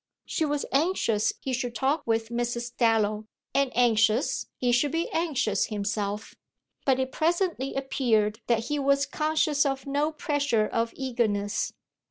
She was anxious he should talk with Mrs. Dallow, and anxious he should be anxious himself; but it presently appeared that he was conscious of no pressure of eagerness.